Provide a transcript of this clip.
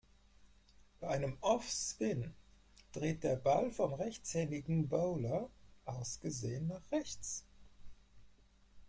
Bei einem "Off Spin" dreht der Ball vom rechtshändigen Bowler aus gesehen nach rechts.